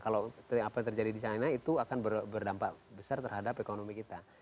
kalau apa yang terjadi di china itu akan berdampak besar terhadap ekonomi kita